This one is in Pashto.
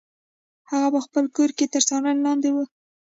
هغه په خپل کور کې تر څارنې لاندې و.